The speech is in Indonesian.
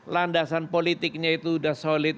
landasan politiknya itu sudah solid